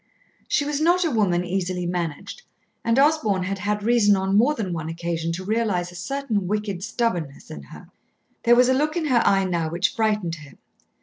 She was not a woman easily managed, and Osborn had had reason on more than one occasion to realise a certain wicked stubbornness in her. There was a look in her eye now which frightened him.